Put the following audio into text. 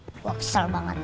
puh waksal banget